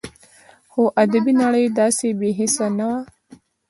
خو ادبي نړۍ داسې بې حسه نه وه